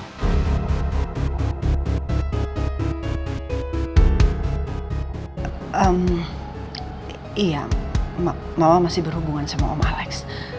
iya mama masih berhubungan sama om alex